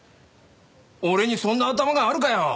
俺にそんな頭があるかよ。